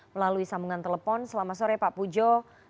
melalui sambungan telepon selamat sore pak pujo